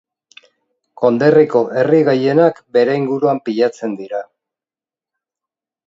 Konderriko herri gehienak bere inguruan pilatzen dira.